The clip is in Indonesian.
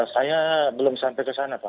saya belum sampai ke sana pak